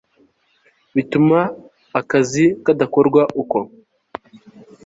bituma akazi kadakorwa uko